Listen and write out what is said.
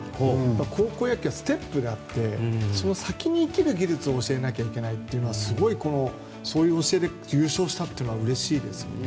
高校野球はステップがあってその先に生きる技術を教えなきゃいけないというのはすごい、その教えで優勝したというのはうれしいですね。